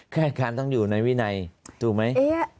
แกการต้องอยู่ในวินัยตัวไหม